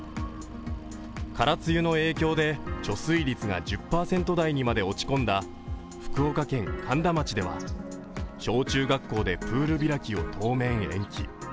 空梅雨の影響で、貯水率が１０％台にまで落ち込んだ福岡県苅田町では小中学校でプール開きを当面延期。